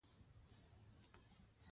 تر څو چې موږ پرې خبرې کوو.